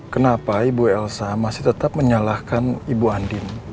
kenapa ibu elsa masih tetap menyalahkan ibu andin